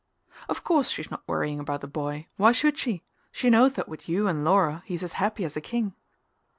"Of course she's not worrying about the boy why should she? She knows that with you and Laura he's as happy as a king."